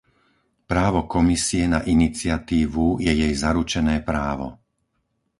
Právo Komisie na iniciatívu je jej zaručené právo.